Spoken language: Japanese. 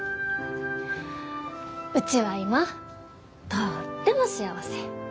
うちは今とっても幸せ。